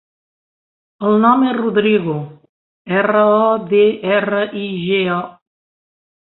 El nom és Rodrigo: erra, o, de, erra, i, ge, o.